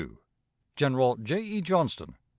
"General J. E. Johnston